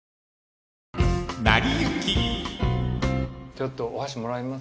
ちょっとお箸もらいます？